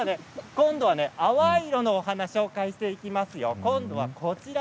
今度は淡い色のお花をご紹介していきますよ。